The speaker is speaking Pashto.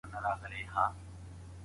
طبي پوهنتونونه چيري موقعیت لري؟